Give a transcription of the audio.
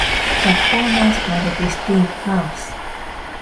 The corners had distinct humps.